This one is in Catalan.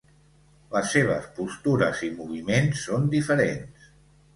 Les seves postures i moviments són diferents.